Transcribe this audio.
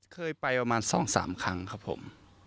เคยไปประมาณสองสามครั้งครับผม